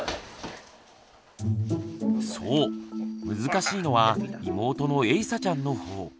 そう難しいのは妹のえいさちゃんの方。